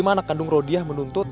anak kandung rodiah menuntut